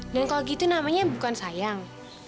kalau gitu namanya bukan sayang